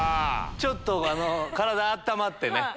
ちょっと体温まってね。